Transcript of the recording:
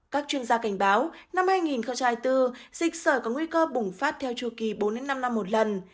các chuyên gia cảnh báo năm hai nghìn bốn dịch sởi có nguy cơ bùng phát theo chua kỳ bốn năm năm một lần